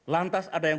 lantas ada yang